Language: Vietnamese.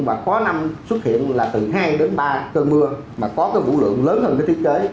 và có năm xuất hiện là từ hai đến ba cơn mưa mà có cái vũ lượng lớn hơn cái thiết kế